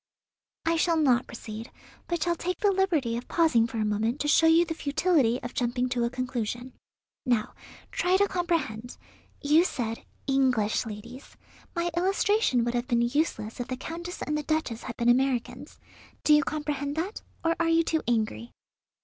"I shall not proceed, but shall take the liberty of pausing for a moment to show you the futility of jumping to a conclusion. Now, try to comprehend. You said, English ladies. My illustration would have been useless if the Countess and the Duchess had been Americans. Do you comprehend that, or are you too angry?"